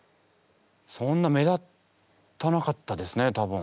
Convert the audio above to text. そんな目立たなかったですね多分。